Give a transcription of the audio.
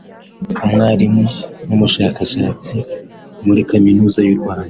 Umwarimu n’Umushakashatsi muri Kaminuza y’u Rwanda